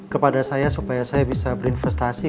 kepada saya supaya saya bisa berinvestasi